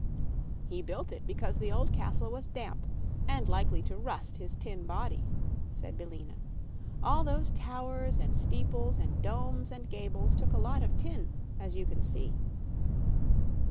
"He built it because the old castle was damp, and likely to rust his tin body," said Billina. "All those towers and steeples and domes and gables took a lot of tin, as you can see."